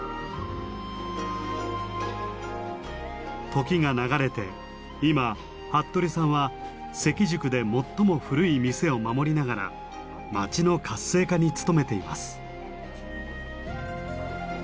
時が流れて今服部さんは関宿で最も古い店を守りながら町の活性化に努めています。